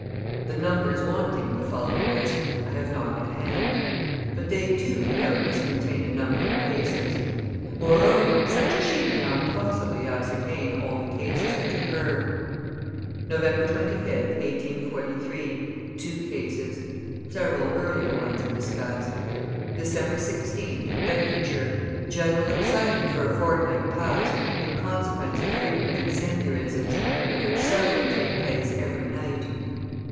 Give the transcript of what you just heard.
The numbers wanting in the following list I have not at hand; but they, too, doubtless contain a number of cases. Moreover, such a sheet cannot possibly ascertain all the cases which occur. November 25th, 1843, two cases; several earlier ones are discussed. December 16th, in Bedfordshire, general excitement for a fortnight past in consequence of frequent incendiarisms, of which several take place every night.